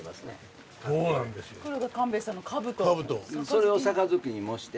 それを盃に模して。